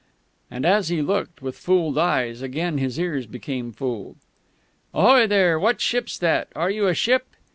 And as he looked, with fooled eyes, again his ears became fooled: _"Ahoy there! What ship's that? Are you a ship?...